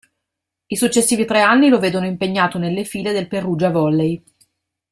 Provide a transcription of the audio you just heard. I successivi tre anni lo vedono impegnato nelle file del Perugia Volley.